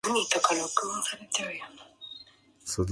A federal city is a major city that functions as a separate region.